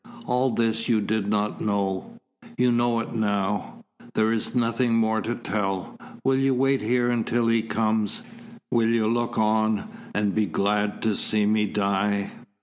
All this you did not know. You know it now. There is nothing more to tell. Will you wait here until he comes? Will you look on, and be glad to see me die?